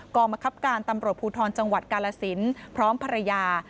กรรมคับการตำรวจภูทรจังหวัดกาลสินพร้อมภรรยา